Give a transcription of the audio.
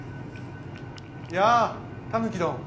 「やあタヌキどん。